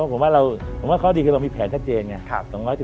ผมว่าข้อดีคือเรามีแผนทัศน์เจน